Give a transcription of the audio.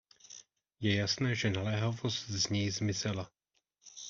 Je jasné, že naléhavost z něj zmizela.